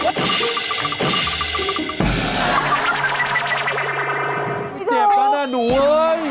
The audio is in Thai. เจ็บมาหน่าหนูเว้ย